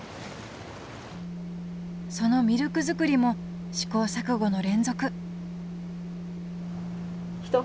そのミルク作りも試行錯誤の連続